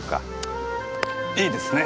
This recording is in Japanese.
いいですね。